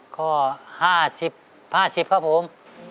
ก็๕๐ครับผม